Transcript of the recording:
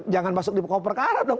jangan masuk di pokok perkara dong